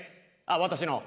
私の？